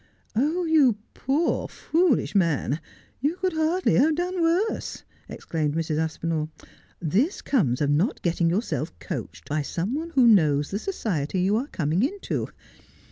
' You poor foolish man, you could hardly have done worse,' exclaimed Mrs. Aspinall. ' This comes of not getting yourself coached by some one who knows the society you are coming into.